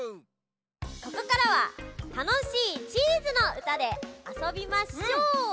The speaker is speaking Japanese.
ここからはたのしいチーズのうたであそびましょう。